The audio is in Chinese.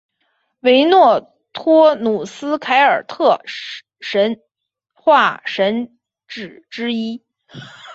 维诺托努斯凯尔特神话神只之一。